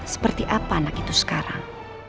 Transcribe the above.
seperti apa anak itu sekarang